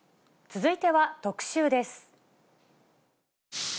続いては特集です。